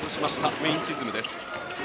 ウェイン・チズムです。